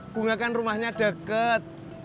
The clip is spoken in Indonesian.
bunga kan rumahnya deket